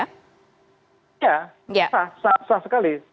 sah sah sah sekali